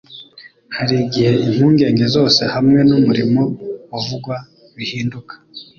Hari igihe impungenge zose hamwe n'umurimo uvugwa bihinduka